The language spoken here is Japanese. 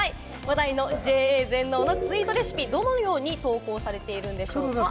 話題のＪＡ全農のツイートレシピ、どのように投稿されているんでしょうか。